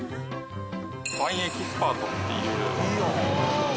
ワインエキスパートっていう。